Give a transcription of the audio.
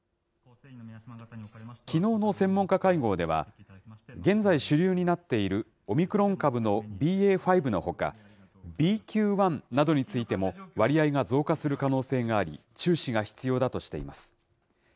きのうの専門家会合では、現在主流になっているオミクロン株のＢＡ．５のほか、ＢＱ．１などについても割合が増加する可能性があり、注視が必要だとしています。